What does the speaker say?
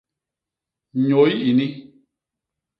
Nyôy ini.